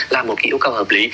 là một cái yêu cầu hợp lý